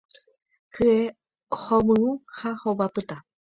Hye hovyũ ha hova pytã